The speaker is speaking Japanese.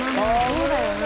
そうだよね。